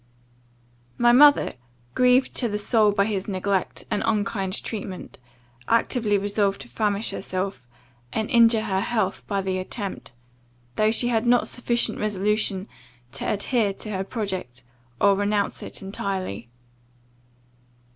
"My mother, grieved to the soul by his neglect, and unkind treatment, actually resolved to famish herself; and injured her health by the attempt; though she had not sufficient resolution to adhere to her project, or renounce it entirely.